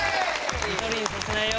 一人にさせないよ。